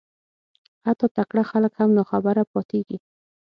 حتی تکړه خلک هم ناخبره پاتېږي